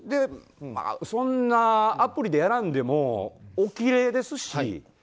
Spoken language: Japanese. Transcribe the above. そんなアプリでやらんでもおきれいですし。